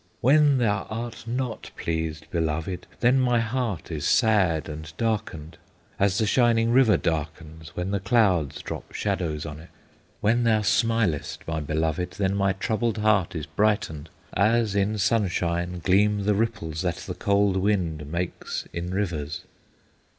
"When thou art not pleased, beloved, Then my heart is sad and darkened, As the shining river darkens When the clouds drop shadows on it! "When thou smilest, my beloved, Then my troubled heart is brightened, As in sunshine gleam the ripples That the cold wind makes in rivers.